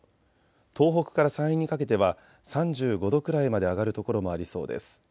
東北から山陰にかけては３５度くらいまで上がる所もありそうです。